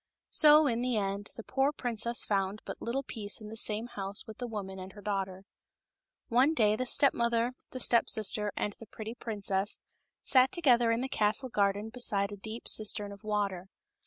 So, in the end, the poor princess found but little peace in the same house with the woman and her daughter. One day the step mother, the step sister, and the pretty princess sat together in the castle garden beside a deep cistern of water.